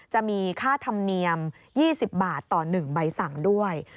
จะมีค่าธรรมเนียม๒๐บาทต่อ๑ใบสั่งด้วย